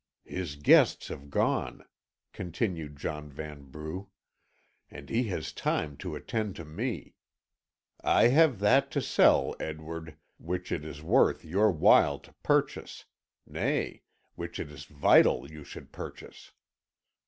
"His guests have gone," continued John Vanbrugh, "and he has time to attend to me. I have that to sell, Edward, which it is worth your while to purchase nay, which it is vital you should purchase.